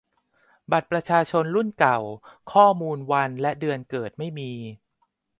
บัตรประชาชนรุ่นเก่า ข้อมูลวันและเดือนเกิดไม่มี